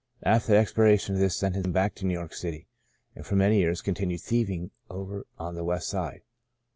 "After the expiration of this sentence I came back to New York City, and for many years continued thieving over on the West Side.